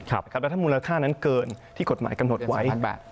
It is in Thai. แล้วถ้ามูลค่านั้นเกินที่กฎหมายกำหนดไว้